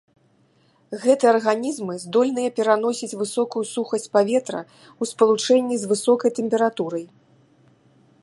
Гэтыя арганізмы здольныя пераносіць высокую сухасць паветра ў спалучэнні з высокай тэмпературай.